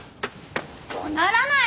怒鳴らないでよ。